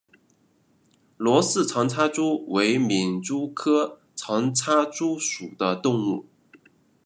罗氏长插蛛为皿蛛科长插蛛属的动物。